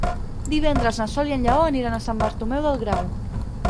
Divendres na Sol i en Lleó aniran a Sant Bartomeu del Grau.